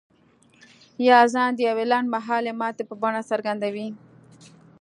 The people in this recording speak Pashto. يا ځان د يوې لنډ مهالې ماتې په بڼه څرګندوي.